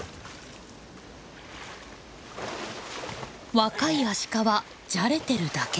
若いアシカはじゃれてるだけ。